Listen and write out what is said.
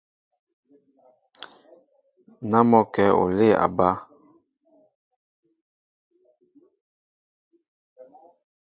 Ná mɔ́ o kɛ̌ olê a bá.